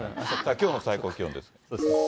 きょうの最高気温です。